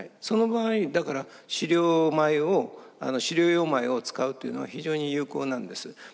その場合だから飼料米を飼料用米を使うというのは非常に有効なんです。